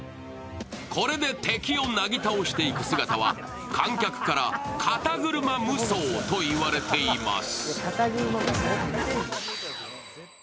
これで敵をなぎ倒していく姿は観客から肩車無双と言われています。